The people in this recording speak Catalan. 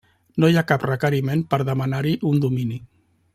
No hi ha cap requeriment per demanar-hi un domini.